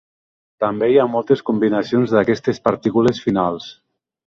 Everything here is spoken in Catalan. També hi ha moltes combinacions d'aquestes partícules finals.